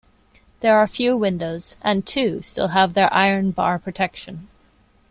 There are few windows, and two still have their iron bar protection.